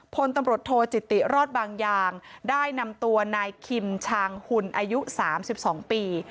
พลตำรวจโทจิติรอดบางยางได้นำตัวนายคิมชางหุ่นอายุ๓๒ปี